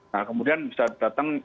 nah kemudian bisa datang